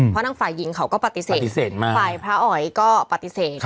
เพราะทางฝ่ายหญิงเขาก็ปฏิเสธมากฝ่ายพระอ๋อยก็ปฏิเสธ